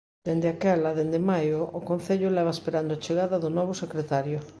Dende aquela, dende maio, o concello leva esperando a chegada do novo secretario.